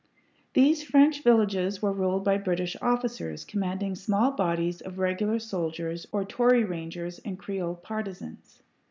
These French villages were ruled by British officers commanding small bodies of regular soldiers or Tory rangers and Creole partizans.